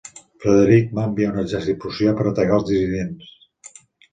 Frederic va enviar un exèrcit prussià per atacar els dissidents.